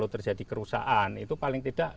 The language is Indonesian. terjadi kerusakan itu paling tidak